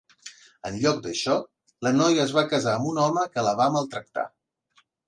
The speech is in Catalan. En lloc d'això, la noia es va casar amb un home que la va maltractar.